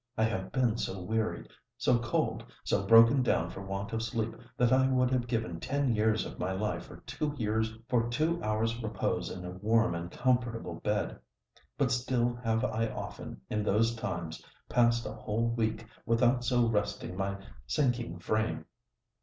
I have been so wearied—so cold—so broken down for want of sleep, that I would have given ten years of my life for two hours' repose in a warm and comfortable bed:—but still have I often, in those times, passed a whole week without so resting my sinking frame.